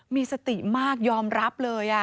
มีสติมากยอมรับเลย